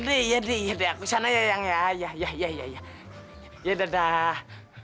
iya deh iya deh aku sana yang ya ya ya ya dadah